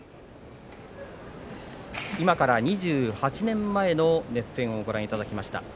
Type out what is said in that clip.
今から２８年前の熱戦をご覧いただきました。